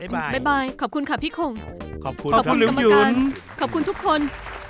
บ๊ายบายขอบคุณค่ะพี่โข่งขอบคุณกำมาการขอบคุณทุกคน